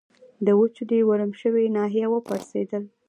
د وچولې ورم شوې ناحیه و پړسېدل.